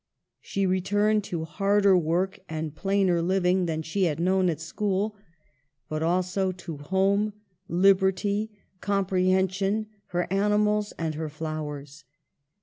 She re turned to harder work and plainer living than she had known at school ; but also to home, lib erty, comprehension, her animals, and her flowers.